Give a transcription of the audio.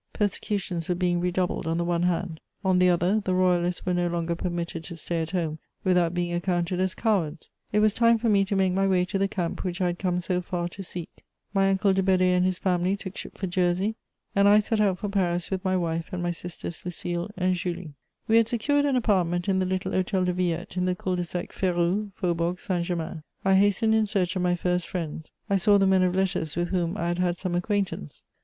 Persecutions were being redoubled on the one hand; on the other, the Royalists were no longer permitted to stay at home without being accounted as cowards: it was time for me to make my way to the camp which I had come so far to seek. My uncle de Bedée and his family took ship for Jersey, and I set out for Paris with my wife and my sisters Lucile and Julie. [Sidenote: We go to Paris.] We had secured an apartment in the little Hôtel de Villette, in the Cul de Sac Férou, Faubourg Saint Germain. I hastened in search of my first friends. I saw the men of letters with whom I had had some acquaintance.